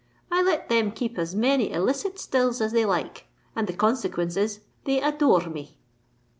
I let them keep as many illicit stills as they like; and the consequence is they adore me."